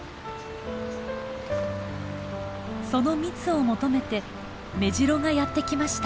その蜜を求めてメジロがやって来ました。